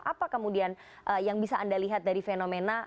apa kemudian yang bisa anda lihat dari fenomena